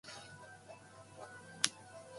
山道を歩いている。